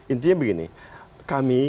intinya begini kami